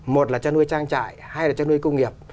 một là chăn nuôi trang trại hay là chăn nuôi công nghiệp